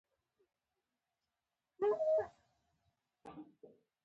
افغانستان په جواهرات غني دی.